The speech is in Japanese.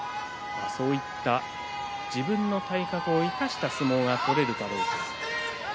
自分の体格を生かした相撲が取れるかどうか。